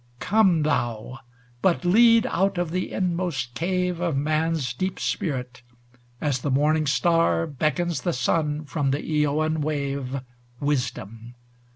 XVIII Gome thou, but lead out of the inmost cave Of man's deep spirit, as the morning star Beckons the sun from the Eoan wave. Wisdom.